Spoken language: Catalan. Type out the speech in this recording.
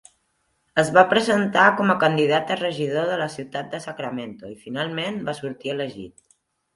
Es va presentar com a candidat a regidor de la ciutat de Sacramento i finalment va sortir elegit.